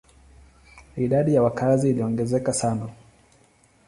Idadi ya wakazi iliongezeka sana.